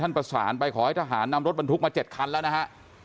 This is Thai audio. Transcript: ประสานไปขอให้ทหารนำรถบรรทุกมา๗คันแล้วนะฮะ